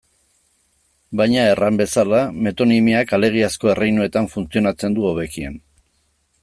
Baina, erran bezala, metonimiak alegiazko erreinuetan funtzionatzen du hobekien.